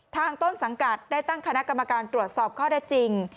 ต้นสังกัดได้ตั้งคณะกรรมการตรวจสอบข้อได้จริง